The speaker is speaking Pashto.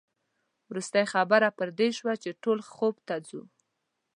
وروستۍ خبره پر دې وشوه چې ټول خوب ته ځو.